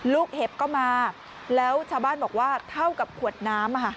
เห็บก็มาแล้วชาวบ้านบอกว่าเท่ากับขวดน้ำ